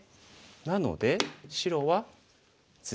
なので白はツギぐらい。